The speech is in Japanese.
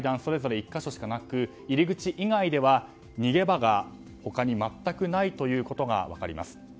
１か所しかなく入り口以外では逃げ場が他に全くないことが分かります。